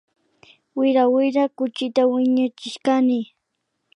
Wira wira kuchita wiñachishkani